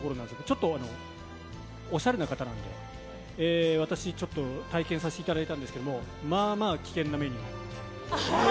ちょっとおしゃれな方なんで、私、ちょっと体験させていただいたんですけど、まあまあ危険な目に。